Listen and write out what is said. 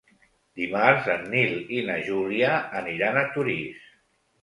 Dimarts en Nil i na Júlia aniran a Torís.